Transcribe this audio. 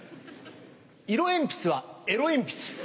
色鉛筆はエロ鉛筆。